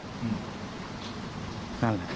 นั่นแหละ